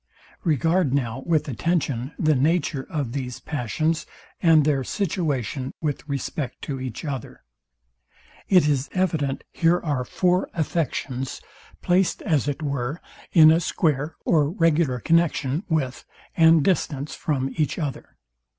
Regard now with attention the nature of these passions, and their situation with respect to each other. It is evident here are four affections, placed, as it were, in a square or regular connexion with, and distance from each other.